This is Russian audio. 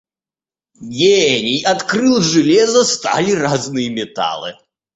Гений открыл железо, сталь и разные металлы.